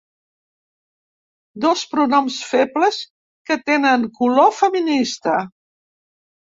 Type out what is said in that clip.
Dos pronoms febles que tenen color feminista.